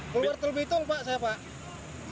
keluar terlebih tol pak saya pak